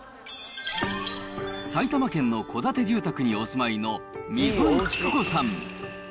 埼玉県の戸建て住宅にお住いの溝井喜久子さん。